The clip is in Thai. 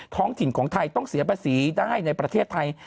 ท้องถิ่นของไทยต้องเสียภาษีได้ในประเทศไทย